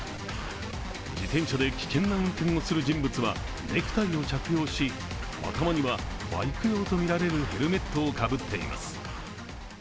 自転車で危険な運転をする人物はネクタイを着用し頭にはバイク用とみられるヘルメットをかぶっています。